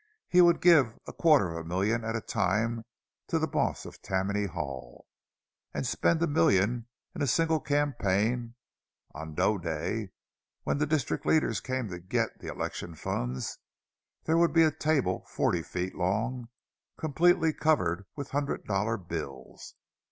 He would give a quarter of a million at a time to the boss of Tammany Hall, and spend a million in a single campaign; on "dough day," when the district leaders came to get the election funds, there would be a table forty feet long completely covered with hundred dollar bills.